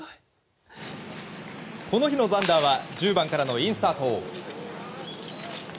この日のザンダーは１０番からのインスタート。